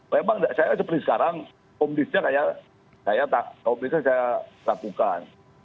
nah memang saya seperti sekarang komisnya saya saya komisnya saya lakukan